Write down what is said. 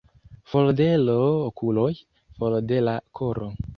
For de l' okuloj, for de la koro.